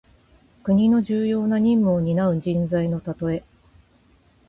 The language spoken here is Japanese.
国の重要な任務をになう人材のたとえ。